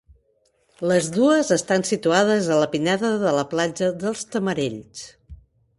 Les dues estan situades a la pineda de la platja dels Tamarells.